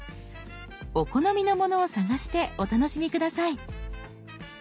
お好みのものを探してお楽しみ下さい。